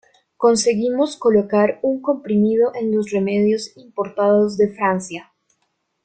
Conseguimos colocar un comprimido en los remedios importados de Francia.